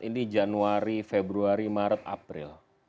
ini januari februari maret april